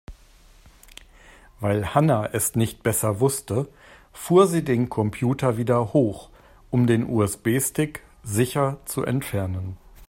Weil Hanna es nicht besser wusste, fuhr sie den Computer wieder hoch, um den USB-Stick sicher zu entfernen.